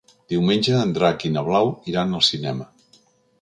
Diumenge en Drac i na Blau iran al cinema.